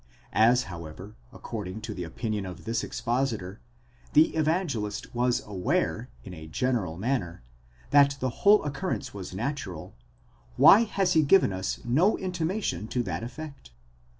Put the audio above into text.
As however, according to the opinion of this expositor, the Evangelist was aware, in a general manner, that the whole occurrence was natural, why has he given us no intimation to that effect?